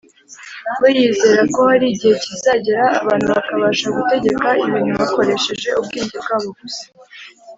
we yizera ko hari igihe kizagera abantu bakabasha gutegeka ibintu bakoresheje ubwenge bwabo gusa